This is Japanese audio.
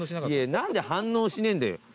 何で反応しねえんだよ。